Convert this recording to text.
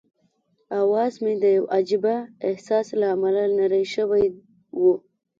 اواز مې د یوه عجيبه احساس له امله نری شوی وو.